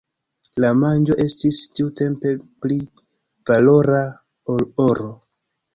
La manĝo estis tiutempe pli valora ol oro.